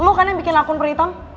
lo kan yang bikin akun perlitang